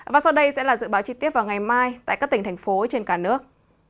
và sau đây sẽ là dự báo chi tiết vào ngày mai tại các tỉnh thành phố trên cả nước